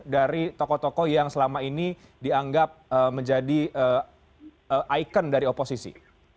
dari tokoh tokoh yang selama ini dianggap menjadi ikon dari oposisi